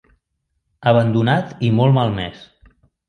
Abandonat i molt malmès.